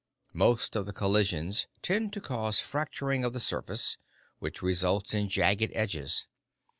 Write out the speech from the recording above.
Most of the collisions tend to cause fracturing of the surface, which results in jagged edges.